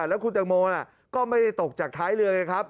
และคุณตังโมก็ไม่ตกจากท้ายเรือก่อนครับ